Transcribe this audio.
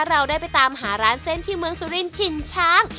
เราได้ไปตามหาร้านเส้นที่เมืองสุรินถิ่นช้าง